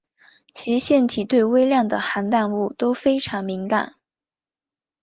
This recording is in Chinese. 其腺体对微量的含氮物都非常敏感。